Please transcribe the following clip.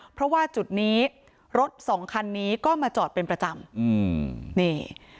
เพราะว่าจุดนี้รถสองคันนี้ก็มาจอดเป็นประจำอืมนี่